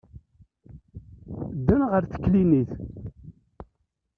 Ddan ɣer teklinit.